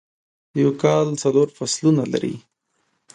یو کال څلور فصلونه لری